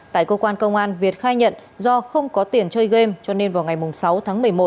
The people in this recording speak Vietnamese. tại cơ quan công an việt khai nhận do không có tiền chơi game cho nên vào ngày sáu tháng một mươi một